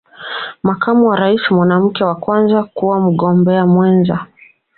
Makamu wa rais mwanamke wa Kwanza kuwa Mgombea Mwenza